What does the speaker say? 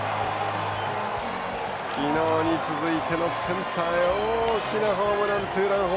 昨日に続いてのセンターへ大きなホームランツーランホームラン。